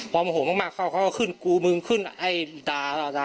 พอโมโหมากเข้าเขาก็ขึ้นกูมึงขึ้นให้ด่า